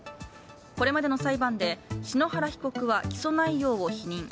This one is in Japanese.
これまでの裁判で篠原被告は起訴内容を否認。